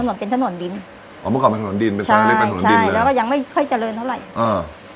ถนนเป็นถนนดินอ๋อเมื่อก่อนเป็นถนนดินใช่ใช่แล้วก็ยังไม่ค่อยเจริญเท่าไหร่